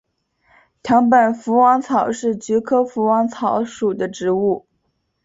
藤本福王草是菊科福王草属的植物。